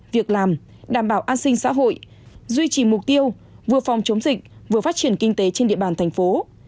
việc làm đảm bảo an sinh xã hội duy trì mục tiêu vừa phòng chống dịch vừa phát triển kinh tế trên địa bàn thành phố